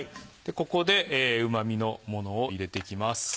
ここでうま味のものを入れていきます。